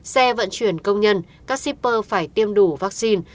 xe vận chuyển công nhân các shipper phải tiêm đủ vaccine